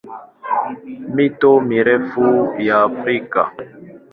Mito mirefu ya Afrika